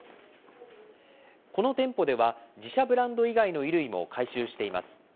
この店舗では、自社ブランド以外の衣類も回収しています。